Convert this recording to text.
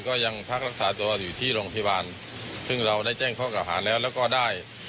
ก็ยังพักรักษาตัวอยู่ที่โรงพยาบาลซึ่งเราได้แจ้งข้อเก่าหาแล้วแล้วก็ได้